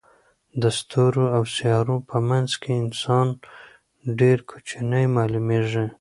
د ستورو او سیارو په منځ کې انسان ډېر کوچنی معلومېږي.